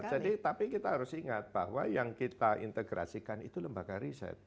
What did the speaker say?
jadi tapi kita harus ingat bahwa yang kita integrasikan itu lembaga riset